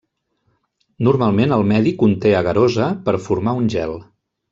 Normalment el medi conté agarosa per formar un gel.